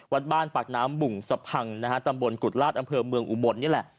วัดบ้านปากน้ำบุ่งสะพังนะฮะตำบลกุฎราชอำเภอเมืองอุบลนี่แหละ